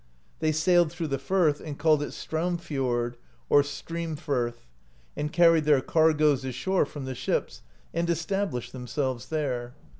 They sailed through the firth, and called it Straumfiord [Streamfirth], and carried their cargoes ashore from the ships, and established themselves there.